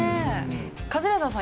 カズレーザーさん